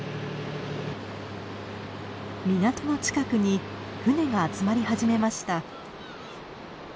港の近くに船が集まり始めました。